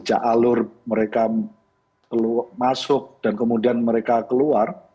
alur mereka masuk dan kemudian mereka keluar